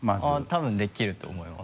多分できると思います